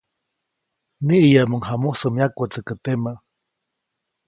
Niʼiyäʼmuŋ jamusä myakwätsäkä temä.